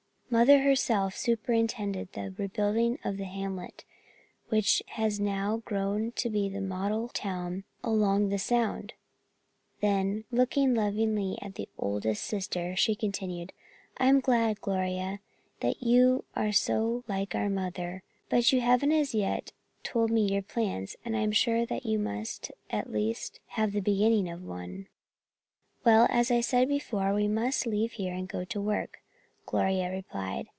"Mother herself superintended the rebuilding of the hamlet which has now grown to be the model town along the sound." Then, looking lovingly up at the oldest sister, she continued: "I'm glad, Gloria, that you are so like our mother. But you haven't as yet told me your plan and I am sure that you must at least have the beginning of one." "Well, as I said before, we must leave here and go to work," Gloria replied.